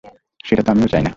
সেটা তো আমিও চাই না।